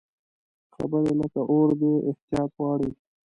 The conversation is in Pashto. خبرې لکه اور دي، احتیاط غواړي